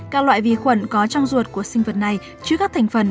các loại vi khuẩn có trong ruột của sinh vật này chứa các thành phần